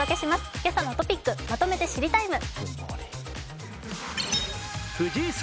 「けさのトピックまとめて知りＴＩＭＥ，」。